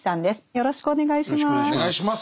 よろしくお願いします。